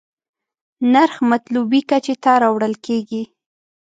نرخ مطلوبې کچې ته راوړل کېږي.